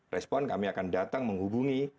respon kami akan datang menghubungi